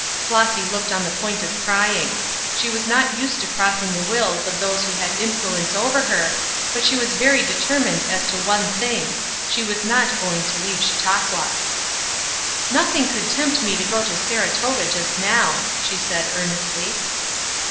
Flossy looked on the point of crying. She was not used to crossing the wills of those who had influence over her, but she was very determined as to one thing: she was not going to leave Chautauqua. "Nothing could tempt me to go to Saratoga just now," she said, earnestly.